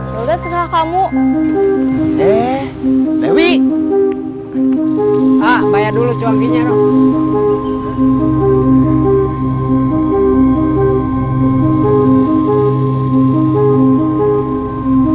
yaudah sesuai kamu